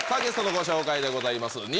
ゲストのご紹介でございます。